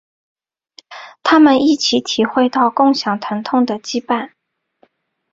他们一起体会到共享疼痛的羁绊。